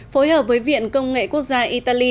phối hợp với viện công nghệ quốc gia italy